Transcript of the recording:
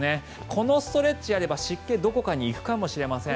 このストレッチやれば、湿気どこかに行くかもしれません。